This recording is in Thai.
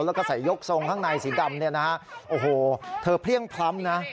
แล้วก็ใส่ยกทรงข้างในสีดำโอ้โฮเธอเพลี่ยงพลัมนะ